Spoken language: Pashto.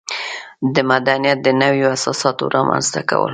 د مدنیت د نویو اساساتو رامنځته کول.